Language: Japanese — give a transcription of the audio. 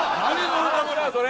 それ！